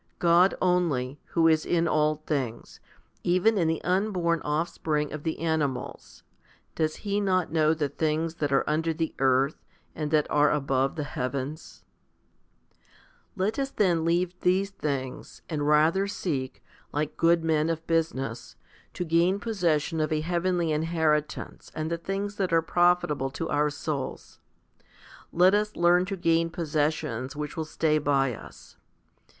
God only, who is in all things, even in the unborn offspring of the animals. Does He not 1 Mark in. u. ; cp. Matt. viii. 29. K 94 FIFTY SPIRITUAL HOMILIES know the things that are under the earth, and that are above the heavens ? ii. Let us then leave these things, and rather seek, like good men of business, to gain possession of a heavenly inheritance and the things that are profitable to our souls. Let us learn to gain possessions which will stay by us.